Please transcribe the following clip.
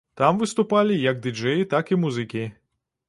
Там выступалі як ды-джэі, так і музыкі.